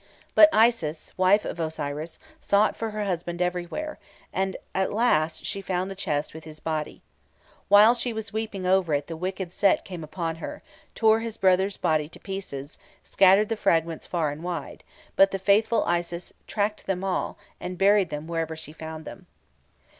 But Isis, wife of Osiris, sought for her husband everywhere, and at last she found the chest with his body. While she was weeping over it the wicked Set came upon her, tore his brother's body to pieces, and scattered the fragments far and wide; but the faithful Isis traced them all, and buried them wherever she found them.